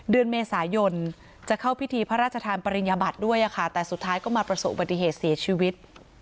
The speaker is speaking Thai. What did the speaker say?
เดือนเมษายนจะเข้าพิธีพระราชทานปริญญาบัติด้วยค่ะแต่สุดท้ายก็มาประสบอุบัติเหตุเสียชีวิต